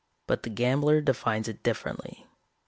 But the gambler defines it differently.